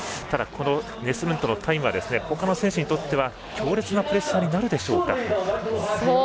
ただネスルントのタイムはほかの選手にとっては強烈なプレッシャーになるでしょうか。